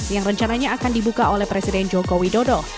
yang rencananya akan dibuka oleh presiden joko widodo